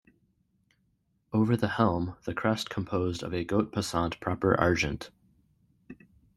Over the helm the crest composed of a goat passant proper Argent.